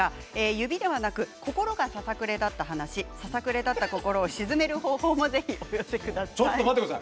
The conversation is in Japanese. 指ではなく心がささくれだった話やささくれだった心を静める方法もお寄せください。